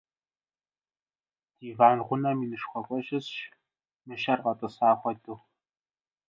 углу на диване что-то огромное, как будто присел медведь.